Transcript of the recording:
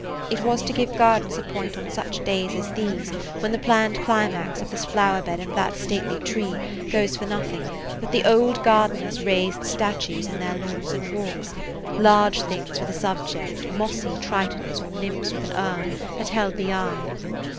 It was to give gardens a point on days such as these, when the planned climax of this flower bed and that stately tree goes for nothing, that the old gardeners raised statues in their lawns and walks, large [Page 117] things with a subject, mossy Tritons or nymphs with an urn, that held the eye.